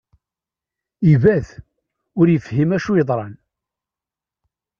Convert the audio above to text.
Ibat, ur yefhim acu yeḍran.